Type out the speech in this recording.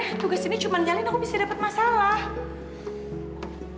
tapi tugas ini cuma nyalin aku bisa dapet masalah